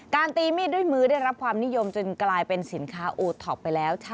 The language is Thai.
ตีมีดด้วยมือได้รับความนิยมจนกลายเป็นสินค้าโอท็อปไปแล้ว